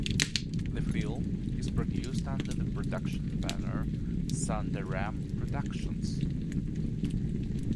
The film is produced under the production banner Sundaram Productions.